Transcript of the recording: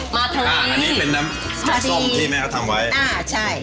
มาทางนี้พอดีอ่าใช่อันนี้เป็นน้ำแกงส้มที่แม่เค้าทำไว้